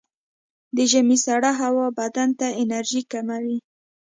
د ژمي سړه هوا بدن ته انرژي کموي.